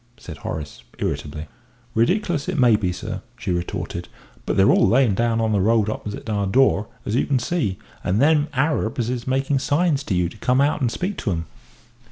said Horace, irritably. "Ridicklous it may be, sir," she retorted, "but they're all layin' down on the road opposite our door, as you can see and them niggers is making signs to you to come out and speak to 'em."